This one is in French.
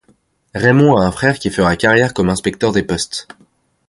Raymond a un frère qui fera carrière comme inspecteur des Postes.